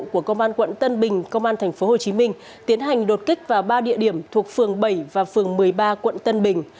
của công an quận tân bình công an tp hcm tiến hành đột kích vào ba địa điểm thuộc phường bảy và phường một mươi ba quận tân bình